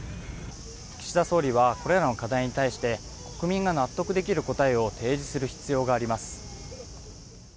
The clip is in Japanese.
岸田総理はこれらの課題に対して国民が納得できる答えを提示する必要があります。